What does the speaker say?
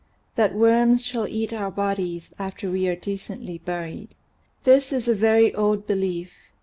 THAT WORMS SHALL EAT OUR BODIES AFTER WE ARE DECENTLY BURIED HIS is a very old belief.